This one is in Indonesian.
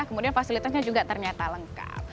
kemudian fasilitasnya juga ternyata lengkap